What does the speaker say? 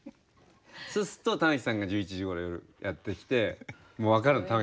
そうすると玉置さんが１１時頃夜やって来てもう分かる。